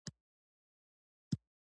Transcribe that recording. که ژوند باقي وو را ستنېږمه د خدای په امان